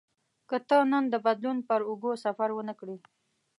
که ته نن د بدلون پر اوږو سفر ونه کړې.